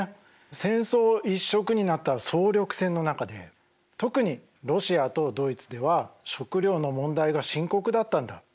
戦争一色になった総力戦の中で特にロシアとドイツでは食料の問題が深刻だったんだ。